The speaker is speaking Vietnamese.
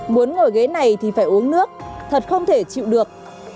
muốn ngồi ghế này thì phải uống nước thật không thể chịu được